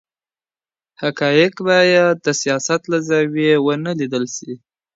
حقایق باید د سیاست له زاویې ونه لیدل سي.